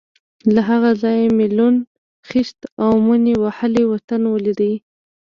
له هغه ځایه مې لوند، خېشت او مني وهلی وطن ولید.